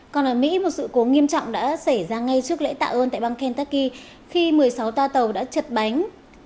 còn ở mỹ một sự cố nghiêm trọng đã xảy ra ngay trước lễ tạ ơn tại bang kentucky khi một mươi sáu toa tàu đã chật bánh